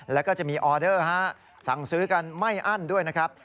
แล้วก็จะมีออเดอร์สั่งซื้อกันไม่อั้นด้วยนะครับ